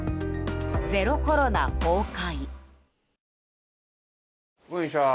ゼロコロナ、崩壊。